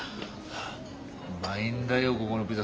うまいんだよこごのピザ。